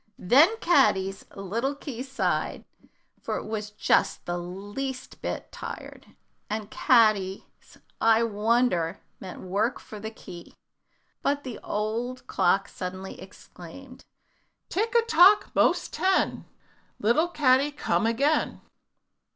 Then Caddy's little key sighed, for it was just the least bit tired, and Caddy's "I wonder" meant work for the key. But the old clock suddenly exclaimed, "Tick a tock, 'most ten, Little Caddy, come again."